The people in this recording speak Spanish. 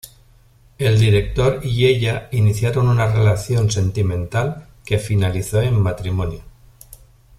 El director y ella iniciaron una relación sentimental que finalizó en matrimonio.